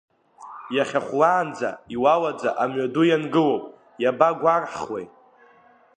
Иахьа хәлаанӡа иуауаӡа амҩаду иангылоуп, иабагәарҳхуеи…